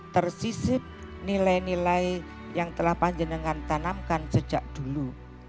tersisip nilai nilai yang telah panjenengan tanamkan sejak dulu